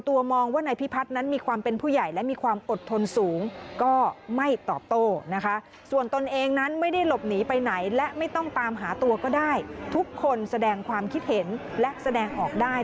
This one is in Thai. ต้องตามหาตวก็ได้ทุกคนแสดงความคิดเห็นและแสดงออกได้